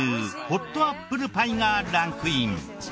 ホットアップルパイがランクイン。